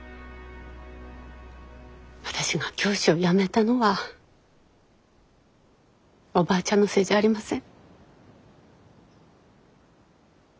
私が教師を辞めたのはおばあちゃんのせいじゃありません。